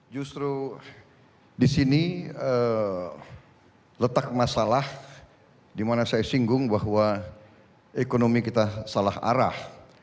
justru di sini letak masalah di mana saya singgung bahwa ekonomi kita salah arah